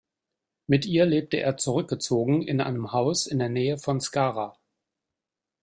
Mit ihr lebte er zurückgezogen in einem Haus in der Nähe von Skara.